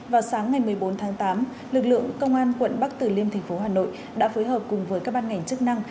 vào sáng ngày một mươi bốn tháng tám lực lượng công an quận bắc từ liêm tp hà nội đã phối hợp cùng với các ban ngành chức năng